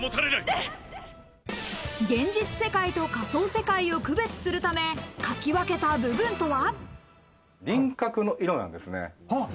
現実世界と仮想世界を区別するため、描き分けた部分とは？